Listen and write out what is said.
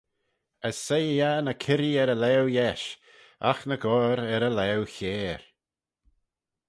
As soie-ee eh ny kirree er e laue-yesh, agh ny goair er e laue-chiare.